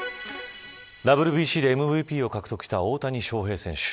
ＷＢＣでＭＶＰを獲得した大谷翔平選手。